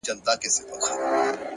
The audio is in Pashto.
مهرباني د سختو حالاتو نرموونکې ده!